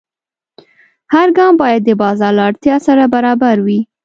هر ګام باید د بازار له اړتیا سره برابر وي.